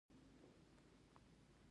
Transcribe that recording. عیبونه د منځنیو پېړیو په عملونو کې دي.